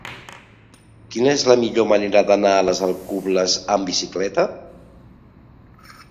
Quina és la millor manera d'anar a les Alcubles amb bicicleta?